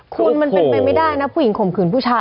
คุณมันเป็นไปไม่ได้นะผู้หญิงข่มขืนผู้ชาย